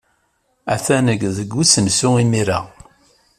Attan deg usensu imir-a.